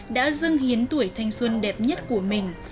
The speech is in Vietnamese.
đã dâng hiến tuổi thanh xuân đẹp nhất của mình